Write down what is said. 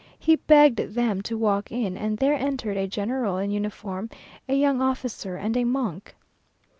He begged them to walk in, and there entered a general in uniform, a young officer, and a monk.